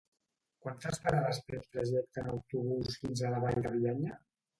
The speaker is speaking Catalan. Quantes parades té el trajecte en autobús fins a la Vall de Bianya?